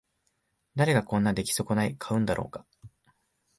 誰がこんな出来損ない買うんだろうか